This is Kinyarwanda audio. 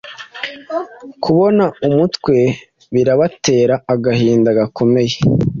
Kubona umutwe birabatera agahinda gakomeye